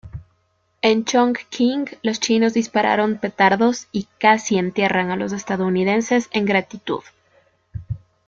En Chongqing, los chinos dispararon petardos y "casi entierran a los estadounidenses en gratitud".